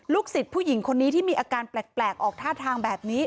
สิทธิ์ผู้หญิงคนนี้ที่มีอาการแปลกออกท่าทางแบบนี้